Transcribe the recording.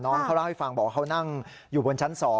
น้องเขาเล่าให้ฟังบอกว่าเขานั่งอยู่บนชั้น๒